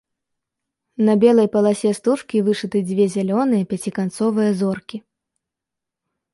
На белай паласе стужкі вышыты дзве зялёныя пяціканцовыя зоркі.